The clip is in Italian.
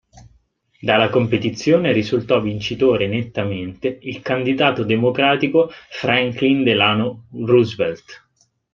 Dalla competizione risultò vincitore nettamente il candidato democratico Franklin Delano Roosevelt.